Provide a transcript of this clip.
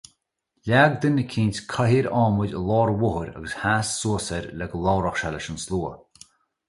Leag duine éigin cathaoir adhmaid i lár an bhóthair agus sheas suas air le go labhródh sé leis an slua.